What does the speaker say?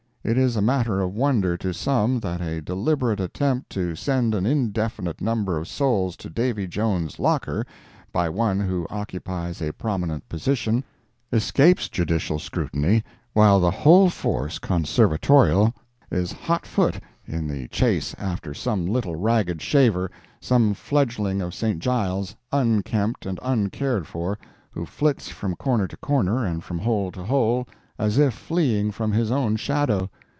It is a matter of wonder to some that a deliberate attempt to send an indefinite number of souls to Davy Jones' locker, by one who occupies a prominent position, escapes Judicial scrutiny, while the whole force conservatorial is hot foot in the chase after some little ragged shaver, some fledgling of St. Giles, unkempt and uncared for, who flits from corner to corner, and from hole to hole, as if fleeing from his own shadow.